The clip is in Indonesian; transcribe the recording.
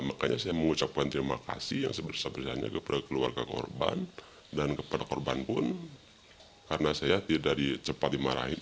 makanya saya mengucapkan terima kasih yang sebesar besarnya kepada keluarga korban dan kepada korban pun karena saya tidak dari cepat dimarahin